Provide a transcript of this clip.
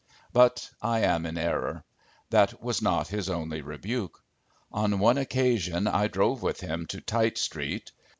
But I am in error. That was not his only rebuke. On one occasion I drove with him to Tite street.